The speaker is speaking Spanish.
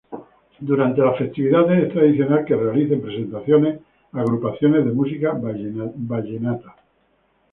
Durante las festividades es tradicional que realicen presentaciones agrupaciones de música vallenata.